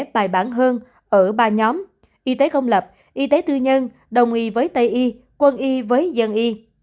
bài bản hơn ở ba nhóm y tế công lập y tế tư nhân đồng y với tây y quân y với dân y